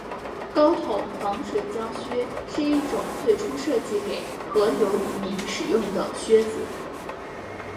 高筒防水胶靴是一种最初设计给河流渔民使用的靴子。